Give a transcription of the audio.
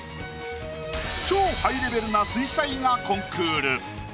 超ハイレベルな水彩画コンクール。